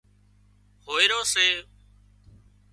هوئيرو سي